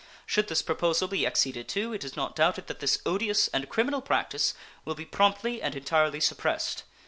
Should this proposal be acceded to, it is not doubted that this odious and criminal practice will be promptly and entirely suppressed.